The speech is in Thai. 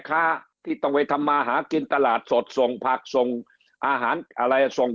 ค้าที่ต้องไปทำมาหากินตลาดสดส่งผักส่งอาหารอะไรส่ง